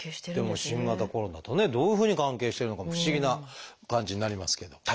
でも新型コロナとねどういうふうに関係してるのかも不思議な感じになりますけれど。